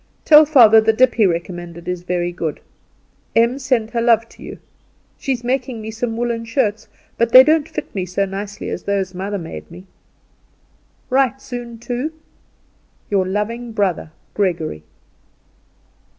Tell father the dip he recommended is very good. "Em sends her love to you. She is making me some woollen shirts; but they don't fit me so nicely as those mother made me. "Write soon to "Your loving brother, Gregory.